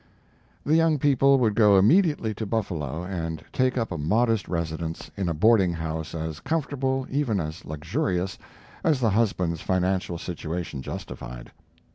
The young people would go immediately to Buffalo, and take up a modest residence, in a boardinghouse as comfortable, even as luxurious, as the husband's financial situation justified.